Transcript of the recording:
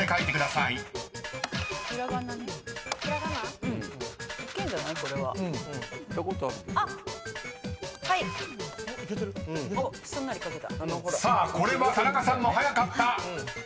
［さあこれは田中さんも早かった］